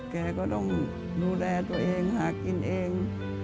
แกก็ต้องดูแลตัวเองหากินเอง